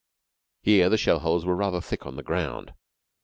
Here the shell holes were rather thick on the ground.